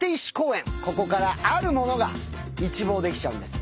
ここからあるものが一望できちゃうんです。